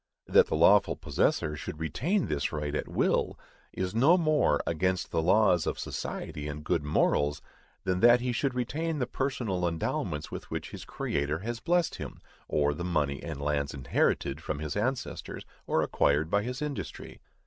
That the lawful possessor should retain this right at will, is no more against the laws of society and good morals, than that he should retain the personal endowments with which his Creator has blessed him, or the money and lands inherited from his ancestors, or acquired by his industry.